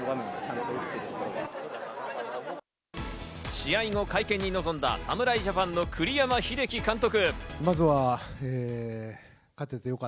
試合後、会見に臨んだ侍ジャパンの栗山英樹監督。